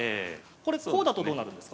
これこうだとどうなるんですか？